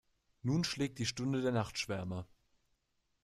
Nun schlägt die Stunde der Nachtschwärmer.